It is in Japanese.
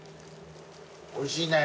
おいしいね。